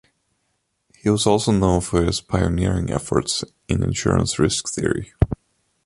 He was also known for his pioneering efforts in insurance risk theory.